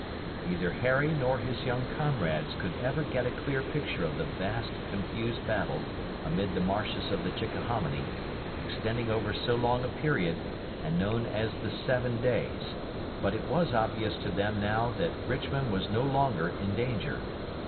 Neither Harry nor his young comrades could ever get a clear picture of the vast, confused battle amid the marshes of the Chickahominy, extending over so long a period and known as the Seven Days, but it was obvious to them now that Richmond was no longer in danger.